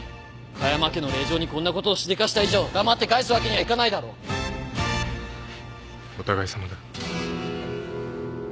華山家の令嬢にこんなことをしでかした以上黙って帰すわけにはいかないだろ。お互いさまだ。